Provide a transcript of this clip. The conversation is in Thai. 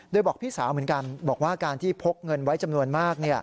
โดยบอกพี่สาวเหมือนกันบอกว่าการที่พกเงินไว้จำนวนมาก